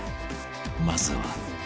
まずは